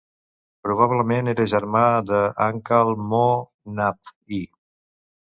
Probablement era germà de Ahkal Mo' Nahb I.